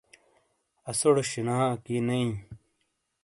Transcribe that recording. اسوڑے شینا اکی نہ ایں۔